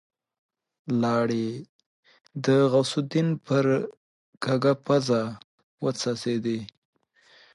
لاړې د غوث الدين پر کږه پزه وڅڅېدې.